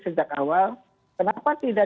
sejak awal kenapa tidak